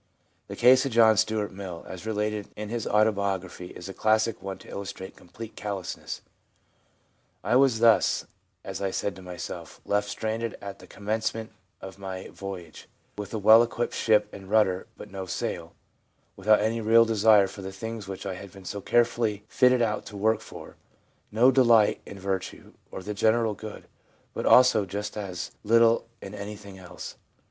The case of John Stuart Mill, as related in his autobiography, is a classic one to illustrate complete callousness. ■ I was thus, as I said to myself, left stranded at the commencement of my voyage, with a well equipped ship and rudder but no sail ; without any real desire for the things which I had been so carefully fitted out to work for ; no delight in virtue or the general good, but also just as little in anything else.